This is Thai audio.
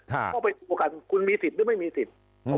เข้าไปประกันคุณมีสิทธิ์หรือไม่มีสิทธิ์